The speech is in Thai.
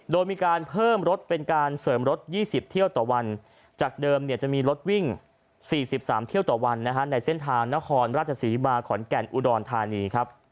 โดยมีการเพิ่มรถเป็นการเสริมรถ๒๐เที่ยวต่อวันจากเดิมจะมีรถวิ่ง๔๓เที่ยวต่อวันในเส้นทางนครราชศรีมาขอนแก่นอุดรธานีครับ